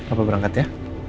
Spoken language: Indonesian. apa berangkat ya